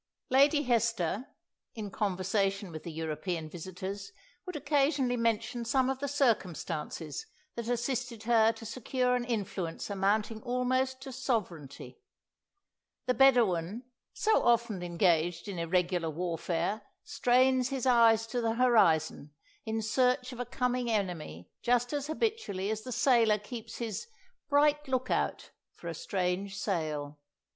Lady Hester, in conversation with the European visitors, would occasionally mention some of the circumstances that assisted her to secure an influence amounting almost to sovereignty. "The Bedawun, so often engaged in irregular warfare, strains his eyes to the horizon in search of a coming enemy just as habitually as the sailor keeps his 'bright look out' for a strange sail.